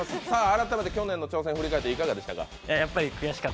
改めて去年の挑戦を振り返っていかがでしたか？